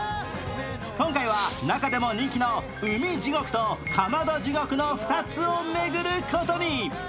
今回は中でも人気の、海地獄とかまど地獄の２つをめぐることに。